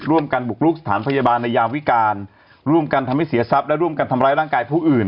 ร่วมกันบุกลุกสถานพยาบาลในยามวิการร่วมกันทำให้เสียทรัพย์และร่วมกันทำร้ายร่างกายผู้อื่น